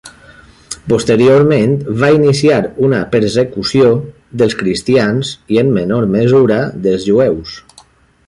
Posteriorment va iniciar una persecució dels cristians i, en menor mesura, dels jueus.